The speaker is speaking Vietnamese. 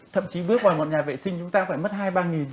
thậm chí bước vào một nhà vệ sinh chúng ta phải mất hai ba